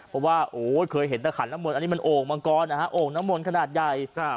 เพราะว่าโอ้เคยเห็นแต่ขันน้ำมนต์อันนี้มันโอ่งมังกรนะฮะโอ่งน้ำมนต์ขนาดใหญ่